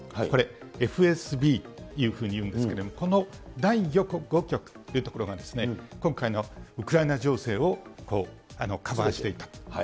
これ、ＦＳＢというふうにいうんですけれども、この第５局というところが、今回のウクライナ情勢をカバーしていた。